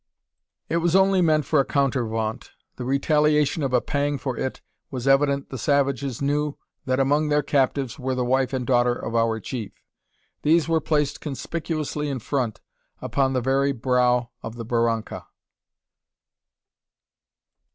It was only meant for a counter vaunt, the retaliation of a pang for it was evident the savages knew that among their captives were the wife and daughter of our chief. These were placed conspicuously in front, upon the very brow of the barranca.